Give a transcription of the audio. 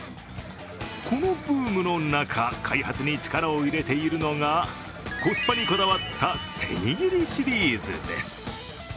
このブームの中、開発に力を入れているのがコスパにこだわった手握りシリーズです。